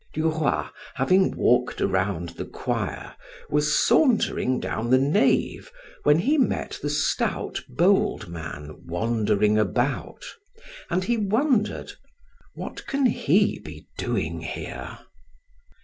Du Roy having walked around the choir, was sauntering down the nave, when he met the stout, bold man wandering about, and he wondered: "What can he be doing here?"